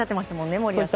森保さんも。